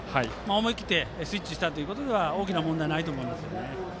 思い切ってスイッチしたのは大きな問題はないと思いますね。